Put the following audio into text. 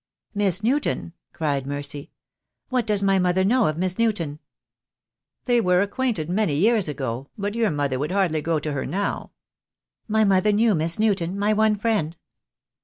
"Miss Newton," cried Mercy. "What does my mother know of Miss Newton?" "They were acquainted many years ago, but your mother would hardly go to her now." "My mother knew Miss Newton, my one friend?"